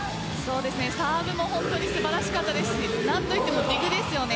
サーブも本当に素晴らしかったですし何と言ってもディグですよね。